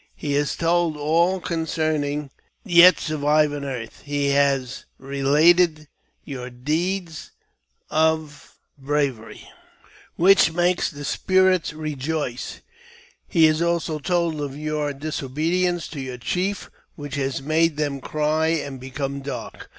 He has told all concerning you that yet survive on earth. He has related your deeds of bravery, whichj makes the spirits rejoice ; he has also told of your disobedience^ to your chief, which has made them cry and become dark.